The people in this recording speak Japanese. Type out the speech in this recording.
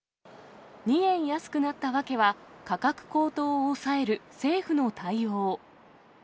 ２円安くなった訳は、価格高騰を抑える政府の対応。